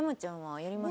やります？